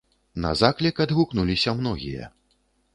На заклік адгукнуліся многія.